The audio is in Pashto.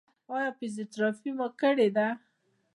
ایا فزیوتراپي مو کړې ده؟